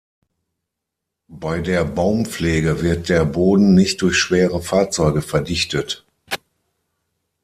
Bei der Baumpflege wird der Boden nicht durch schwere Fahrzeuge verdichtet.